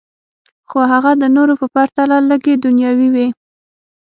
خو هغه د نورو په پرتله لږې دنیاوي وې